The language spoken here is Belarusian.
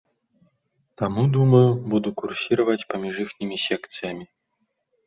Таму, думаю, буду курсіраваць паміж іхнімі секцыямі.